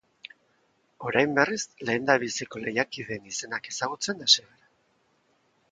Orain, berriz, lehendabiziko lehiakideen izenak ezagutzen hasi gara.